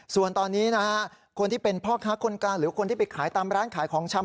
ส่วนตอนนี้นะฮะคนที่เป็นพ่อค้าคนกลางหรือคนที่ไปขายตามร้านขายของชำ